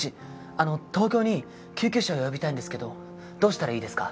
あの東京に救急車を呼びたいんですけどどうしたらいいですか？